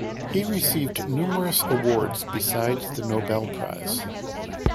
He received numerous awards besides the Nobel Prize.